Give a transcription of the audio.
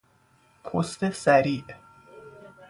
پست سریع